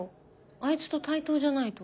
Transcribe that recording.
あいつと対等じゃないと。